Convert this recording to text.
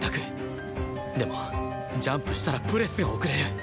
でもジャンプしたらプレスが遅れる